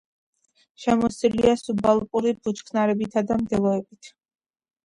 შემოსილია სუბალპური ბუჩქნარებითა და მდელოებით.